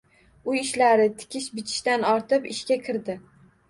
Uy ishlari, tikish-bichishdan ortib ishga kirdi